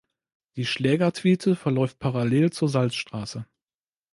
Die Schlägertwiete verläuft parallel zur Salzstraße.